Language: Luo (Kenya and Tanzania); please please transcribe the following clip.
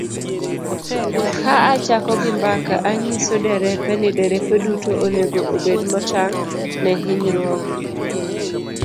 Ka achako gi mbaka, anyiso derepe ni derepe duto onego obed motang ' ne hinyruok.